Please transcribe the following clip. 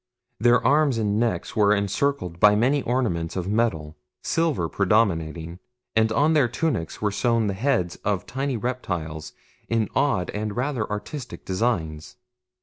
Their arms and necks were encircled by many ornaments of metal silver predominating and on their tunics were sewn the heads of tiny reptiles in odd and rather artistic designs.